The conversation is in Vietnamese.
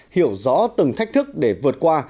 hiểu rõ từng thách thức để vượt qua